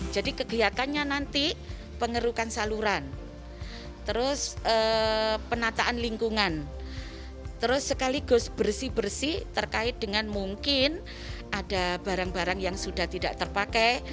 jadi kegiatannya nanti pengerukan saluran terus penataan lingkungan terus sekaligus bersih bersih terkait dengan mungkin ada barang barang yang sudah tidak terpakai